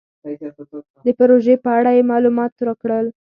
د پروژې په اړه یې مالومات راکړل.